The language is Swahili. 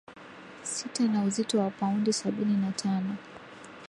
sita na uzito wa paundi sabini na tano